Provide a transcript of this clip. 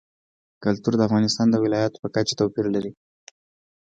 کلتور د افغانستان د ولایاتو په کچه توپیر لري.